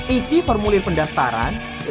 isi formulir pendaftaran